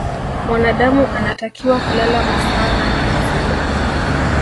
mwanadamu anatakiwa kulala masaa nane kwa siku